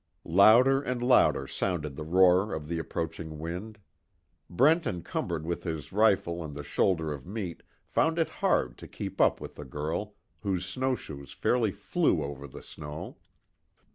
Louder and louder sounded the roar of the approaching wind. Brent encumbered with his rifle and the shoulder of meat, found it hard to keep up with the girl whose snowshoes fairly flew over the snow.